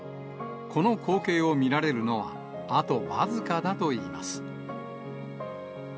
この光景を見られるのは、あと僅かだといいます。